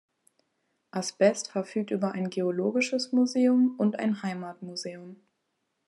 Asbest verfügt über ein geologisches Museum und ein Heimatmuseum.